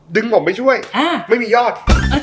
ดึงผมไปช่วยไม่มียอด